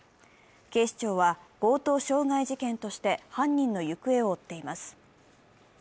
警視庁は、強盗傷害事件として犯人の行方を追っています。